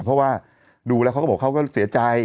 เพราะว่าดูแล้วเขาก็บอกเขาก็เสียใจ